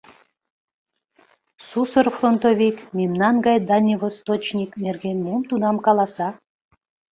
Сусыр фронтовик мемнан гай дальневосточник нерген мом тунам каласа?»